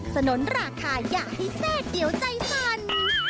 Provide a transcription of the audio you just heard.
สนุนราคาอย่าให้แซ่บเดี๋ยวใจสั่น